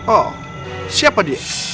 oh siapa dia